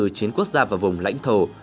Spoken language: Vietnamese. từ chiến quốc gia và vùng lãnh thổ